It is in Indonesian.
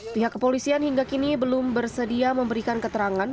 pihak kepolisian hingga kini belum bersedia memberikan keterangan